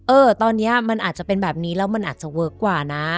เออตอนนี้มันอาจจะเป็นแบบนี้แล้วมันอาจจะเวิร์คกว่านะ